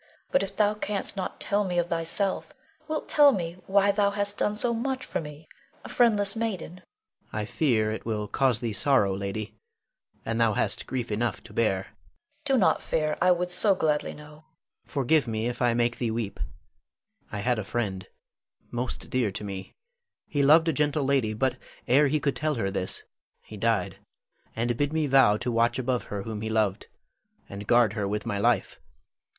But if thou canst not tell me of thyself, wilt tell me why thou hast done so much for me, a friendless maiden? Adrian. I fear it will cause thee sorrow, lady; and thou hast grief enough to bear. Leonore. Do not fear. I would so gladly know Adrian. Forgive me if I make thee weep: I had a friend, most dear to me. He loved a gentle lady, but ere he could tell her this, he died, and bid me vow to watch above her whom he loved, and guard her with my life.